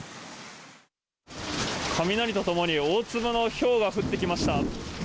雷とともに大粒のひょうが降ってきました。